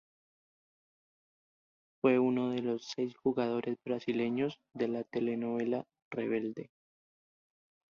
Fue uno de los seis jugadores brasileños de la telenovela "Rebelde".